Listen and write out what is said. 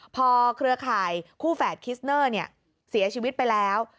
พอเครือข่ายคู่แฝดคิสเนอร์เสียชีวิตไปแล้ว